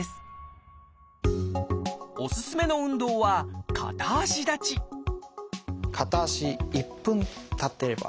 おすすめの運動は片足立ち片足１分立ってれば。